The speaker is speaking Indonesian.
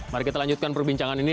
mari kita lanjutkan perbincangan ini